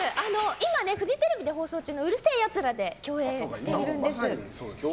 今、フジテレビで放送中の「うる星やつら」で共演しているんです。